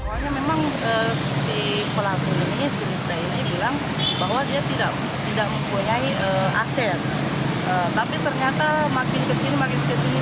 alasan sejumlah korban mencabut laporan karena ld sebagai pimpinan usaha ini berjanji mengembalikan uang